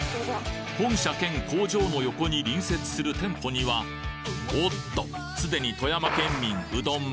本社兼工場の横に隣接する店舗にはおっとすでに富山県民うどん